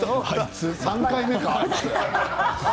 ３回目か。